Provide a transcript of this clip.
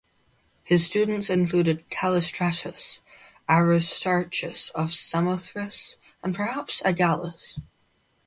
His students included Callistratus, Aristarchus of Samothrace, and perhaps Agallis.